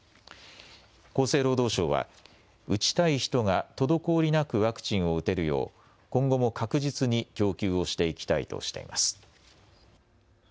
厚生労働省は打ちたい人が滞りなくワクチンを打てるよう今後も確実に供給をしていきたいとしています。